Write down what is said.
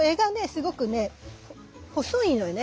すごくね細いのね。